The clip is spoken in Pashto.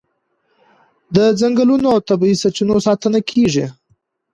د ځنګلونو او طبیعي سرچینو ساتنه کیږي.